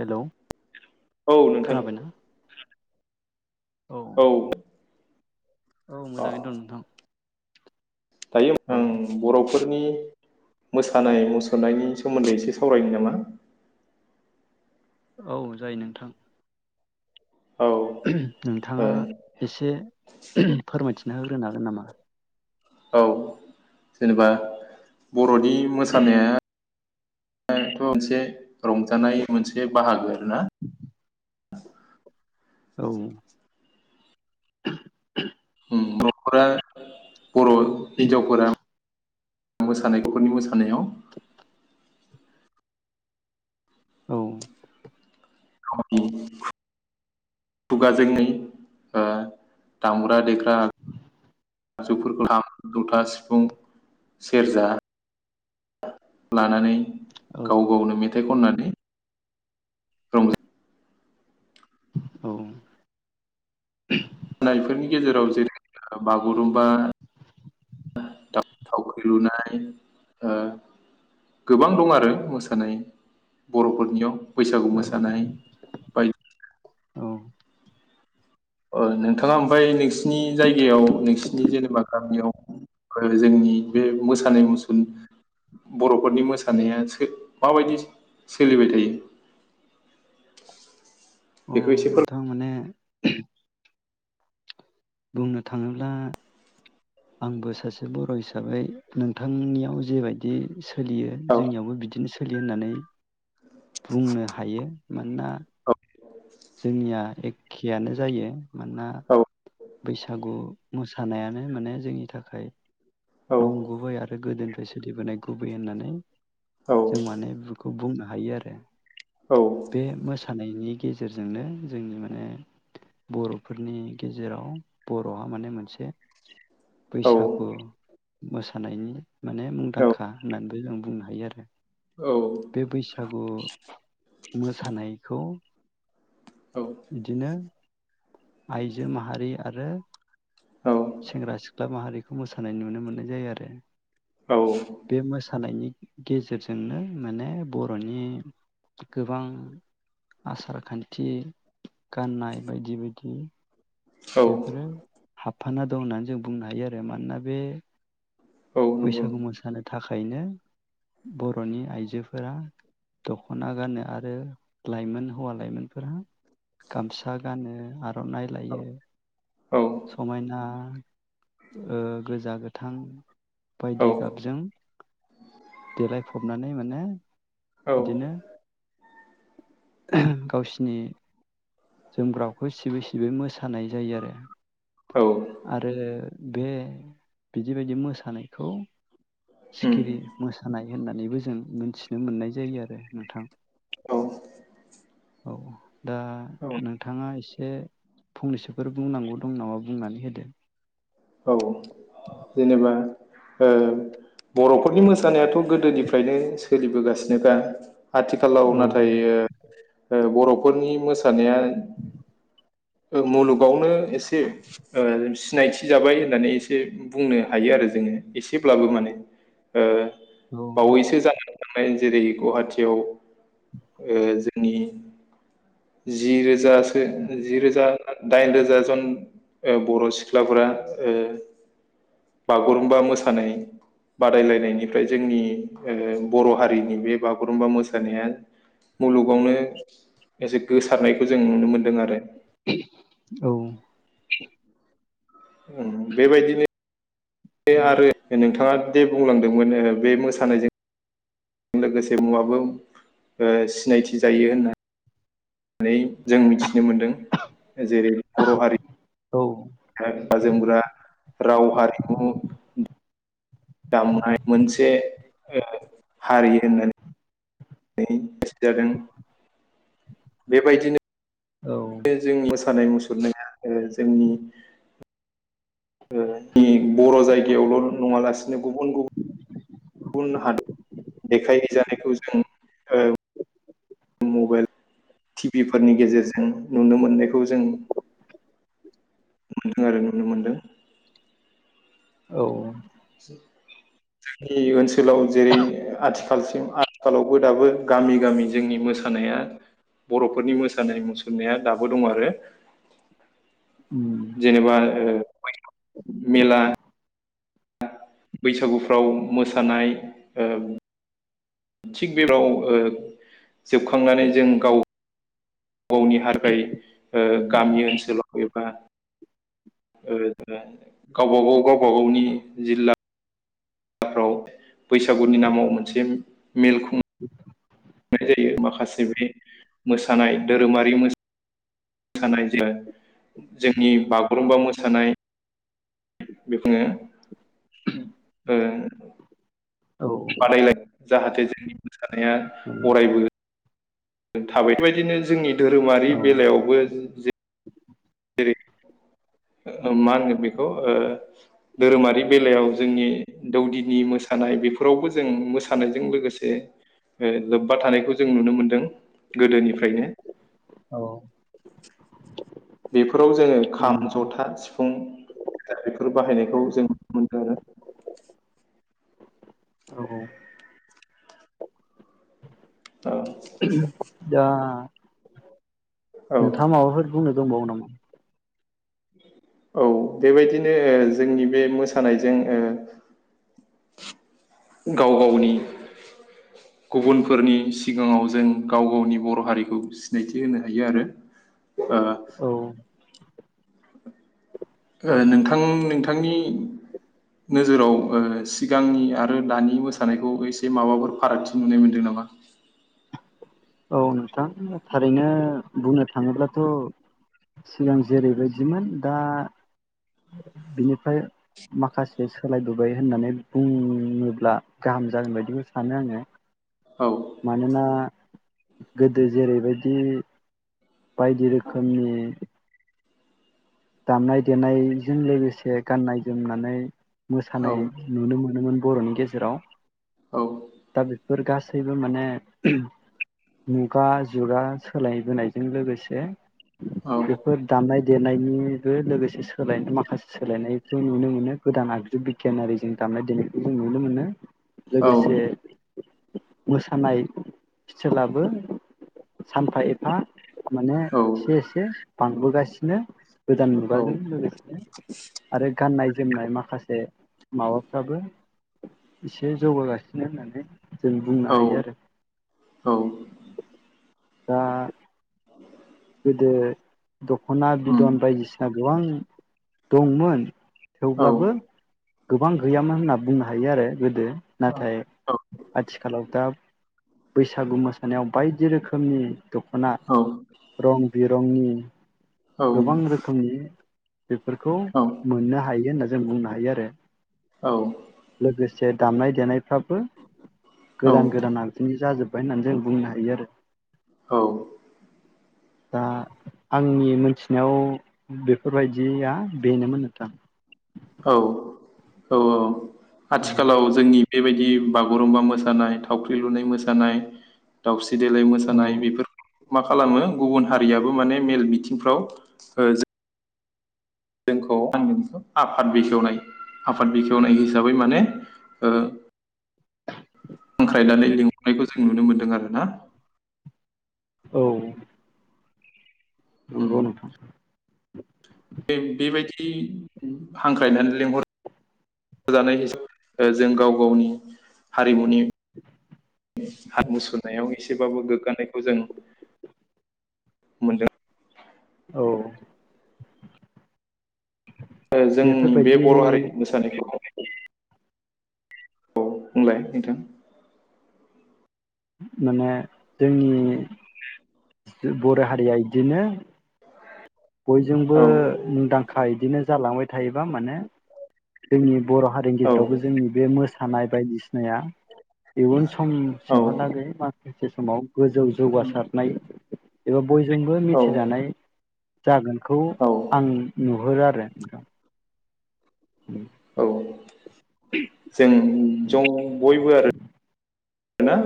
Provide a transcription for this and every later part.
Hello औ नोंथां खोनाबायना औ औ मोजाङैनो दं नोंथां थायो औ आं बर' नखरनि मोसानाय मुसुरनायनि सोमोन्दै एसे सावरायनो नामा? औ जायो नोंथां औ ओ नोंथाङा एसे फोरमायथि नो होग्रोनो हागोन नामा? औ जेनेबा बर' नि मोसानाया [unintelligible] मोनसे रंजानाय मोनसे बाहागो ना औ उह उह नखरा बर' हिन्जावफोरा मोसानाय [unintelligible] मोसानायाव [inaudible] औ [unintelligible] खुगाजोंङै ओ दामग्रा देग्रा आगजुफोरखौ [unintelligible] खाम जथा सिफुं सेरजा [unintelligible] लानानै औ गाव गावनो मेथाइ खननान रंजा औ । नायफोरनि गेजेराव जेरै बागुरुमबा थावख्रि लुनाय ओ गोबां दं आरो मोसानाय बर'फोरनियाव । बैसागु मोसानाय औ बाय औ ओ नोंथाङा ओमफ्राय नोंसिनि जायगायाव नोंसिनि जेनेबा गामियाव जोंनि बे मोसानाय मुसुर बर'फोरनि मोसानाया माबायदि सोलिबाय थायो? अ बेखौ एसे नोंथां माने [inaudible] बुंनो थाङोब्ला आंबो सासे बर' हिसाबै नोंथांनियाव जेबायदि सोलियो फोर जोंनियावबो बिदिनो सोलियो होननानै बुंनो हायो । मानोना जोंनिया एखेआानो जायो मानोना बैसागु मोसानायानो माने जोंनि थाखाय औ नंगुबै आरो गोदोनिफ्राय सोलिबोनाय गुबै होननानै औ जों माने बेखौ बुंनो हायो आरो । औ बे मोसानायनि गेजेरजोंनो जोंनि माने बर'फोरनि गेजेराव बर'आ माने मोनसे बैसागु मोसानायनि माने मुंदांखा होननानैबो जों बुंनो हायो आरो । बे बैसागु मोसानायखौ बिदिनो आइजो माहारि आरो सेंग्रा सिख्ला माहारिखौ मोसानाय नुनो मोननाय जायो आरो औ बे मोसानायनि गेजेरजोंनो माने बर'नि गोबां आसार खान्थि गाननाय बायदि बायदि औ बेफोरो हाबफाना दं होननानै जों बुंनो हायो आरो मानोना बे औ नंगौ बैसागु मोसानो थाखायनो बर'नि आइजोफोरा द ख'ना गानो आरो लाइमोन हौवा लाइमोनफोरा गामसा गानो आर'नाइ लायो औ औ समायना ओ गोजा गोथां औ बायदि गाबजों देलायफबनानै माने औ बिदिनो गावसिनि जोमग्राखौ सिबै सिबै मोसानाय जायो आरो औ आरो बे बिदि बदि मोसानायखौ उम सिखिरि मोसानाय होननानैबो जों मिथिनो मोननाय जायो आरो नोंथां औ । औ दा नोंथाङा एसे फंनैसोफोर बुंनांगौ दं नामा बुंनानै होदो औ । जेनेबा ओ बर'फोरनि मोसानायाथ' गोदोनिफ्रायनो सोलिबोगासिनोखा आथिखालाव औ नाथाय ओ बर'फोरनि मो‌ सानाया ओ मुलुगावनो एसे ओ सिनायथि जाबाय होननानै एसे बुंनो हायो आरो जोङो एसेब्लाबो माने ओ बावैसो जानानै थांनाय जेरै गुवाहाटियाव ओ जोंनि जिरोजासो जि रोजा दाइन रोजा जन बर' सिख्लाफोरा ओ बागुरुमबा मोसानाय बादायलायनायनिफ्राय जोंनि ओ बर' हारिनि बे बागुरुमबा मोसानाया मुलुगावनो एसे गोसारनायखौ जों नुनो मोनदों आरो । औ । ओम बेबायदिनो [unintelligible] आरो नोंथाङा जे बुंलांदोंमोन ओ बे मोसानायजों लोगोसे मुआबो ओ सिनायथि जायो होनना नै जों मिथिनो मोनदों । जेरै बर' हारि औ । गानग्रा जोमग्रा राव हारिमु दामनाय मोनसे ओ हारि होननानै जादों बेबायदिनो औ बे जोंनि मोस मोसानाय मुसुरनाया ओ जोंनि ओ नि बर' जायगायावल' नङालासिनो गुबुन गुबुन गुबुन हादर देखायहैजानायखौ जों मबाइल टिभिफोरनि गेजेरजों नुनो मोननायखौ जों मोनदों आरो नुनो मोनदों औ [unintelligible] ओनसोलाव जेरै आथिखाल आथिखालसिम आथिखालावबो दाबो गामि गामि जोंनि मोसानाया बर'फोरनि मोसानाय मुसुरनाया दाबो दं आरो उम जेनेबा ओ [unintelligible] मेला बैसागुफ्राव मोसानाय ओ थिग बे [unintelligible] ओ जोबखांनानै जों गाव गावनि हार गाय ओ गामि ओनसोलाव एबा ओ गावबा गाव गावबा गावनि जिल्ला फ्राव बैसागुनि नामाव मोनसे मेल [inaudible] नाय जायो माखासे बे मोसानाय धोरोमारि मोसानाय जे जोंनि बागुरुम्बा मोसानाय बेखौनो ओ औ बादायलाय जाहाथे जो [inaudible] थानाया औ अरायबो थाबाय बेबायदिनो जोंनि धोरोमारि औ बेलायावबो जे रै ओ मा होनगोन बेखौ ओ धोरोमारि बेलायाव जोंनि दौदिनि मोसानाय बेफोरावबो जों मोसानायजों लोगोसे ओ लोब्बा थानायखौ जों नुनो मोनदों गोदोनिफ्रायनो औ बेफोराव जोङो खाम उम जथा सिफुं बेफोर बाहायनाय खौ जों नुनो मोनदों आरो औ औ आरो दा औ नोंथाङा औ माबाफोर बुंनो दंबावो नामा औ बेबायदिनो जोंनि बे मोसानायजों ओ गाव गावनि गुबुनफोरनि सिगाङाव जों गाव गावनि बर' हारिखौ सिनायथि होनो हायो आरो औ ओ ओ नोंथां नोंथांनि नोजोराव ओ सिगांनि आरो दानि मोसानायखौ एसे माबाफोर फारागथि नुनाय मोनदों नामा औ नोंथां थारैनो बुंनो थाङोब्लाथ' सिगां जेरैबायदिमोन दा बिनिफ्राय माखासे सोलायबोबाय होननानै बुङोब्ला गाहाम जागोन बायदिबो सानो आङो औ मानोना गोदो जेरैबायदि बायदि रोखोमनि दामनाय देनायजों लोगोसे गाननाय जोमनानै औ मोसानाय नुनो मोनोमोन बर'नि गेजेराव औ दा बेफोर गासैबो माने मुगा जुगा सोलायबोनायजों लोगोसे औ बेफोर दामनाय देनायनि बो दोलोसे सोलाय माखासे सोलायनायखौ नुनो मोनो गोदान आगजु बिगियानारि जों दामनाय देनायखौ जों नुनो मोनो औ लोगोसे मोसानाय स्टेलाबो सानफा एफा माने औ एसे एसे बांबोगासिनो गोदान मुगाजों लोगोसे आरो गाननाय जोमनाय माखासे माबाफ्राबो एसे जौगागासिनो होननानै जों बुंनो औ हायो आरो औ दा गोदो दख'ना उम बिदन बायदिसिना गोबां दंमोन। औ थेवब्लाबो गोबां गैयामोन होनना बुंनो हायो आरो गोदो औ नाथाय आथिखालाव दा बैसागु मोसानायाव बायदि रोखोमनि दख'ना औ रं बिरंनि औ गोबां रोखोमनि बेफोरखौ मोननो हायो होनना जों बुंनो हायो आरो औ लोगोसे दामनाय देनायफ्राबो गोदान गोदान आगजुनि जाजोब्बाय होननानै जों बुंनो हायो आरो। औ दा आंनि मोनथिनायाव बेफोरबायदिया बेनोमोन नोंथां। औ औ आथिखालाव जोंनि बेबायदि बागुरुम्बा मोसानाय थावख्रि लुनाय मोसानाय दावस्रि देलाय औ मोसानाय बेफोरखौ मा खालामो गुबुन हारियाबो माने मेल बिथिंफ्राव ओ जोंखौ आगोन बेखौ [unintelligible] आफाद बेखेवनाय आफाद बेखेवनाय हिसाबै माने ओ हांख्रायनानै लिंहरनायखौ जों नुनो मोनदों आरो ना औ उम नंगौ नोथां। बे बेबायदि हांख्रायनानै लेंहर जानाय हिसाबै जों गाव गावनि हारि हारिमुनि [unintelligible] सुरनायाव एसेबाबो गोग्गानायखौ जों मोनदों। औ ओ जों बे बेफोरबायदि बर' हारिखौ मोसानायखौ औ बुलाय नोंथां। माने जोंनि बर' हारिया इदिनो बयजोंबो औ मुंदांखा इदिनो जालांबाय थायोबा माने जोंनि बर' हारिनि औ गेजेरावबो जोंनि बे मोसा सानाय बायदिसि नाया इयुन सम औ सिमहा लागै मा एसे समाव गोजौ जौगासारनाय एबा बयजोंबो औ मिथिजानाय जागोन खौ आं नुहरो आर [unintelligible] नोंथां। लांदां औ जों जं बयबो आरो। रोना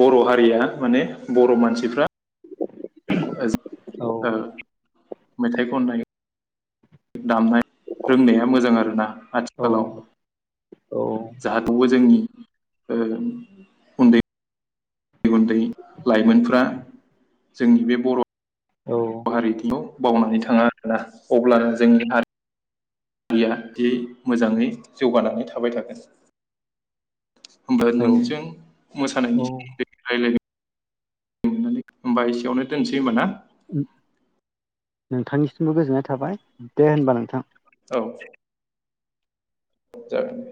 बर' हारिया माने बर' मानसिफ्रा ओज औ ओ मेथाइ खननाय दामनाय रोंनाया मोजां आरो ना औ आथिखालाव। औ जाहाथ'बो जोंनि ओ उन्दै उन्दै उन्दै लाइमोनफ्रा जोंनि बे बर' ब हारि [inaudible] बावनानै थाङा आरोना अब्लानो जोंनि हारिया जि मोजाङै जौगानानै थाबाय थागोन। होमबा औ नोंजों औ मोसानायनि सोमोनदै रायलाय [inaudible] होमबा एसेयावनो दोनसै होमबा ना? नोंथांनिसिमबो गोजोननाय थाबाय दे होनबा नोंथां। औ जागोन।